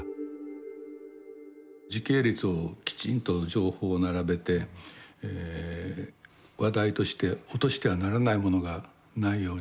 時系列をきちんと情報を並べて話題として落としてはならないものがないように。